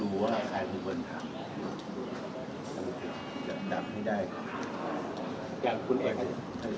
ต้องการได้สามจำหน่อยแล้วก็สามสี่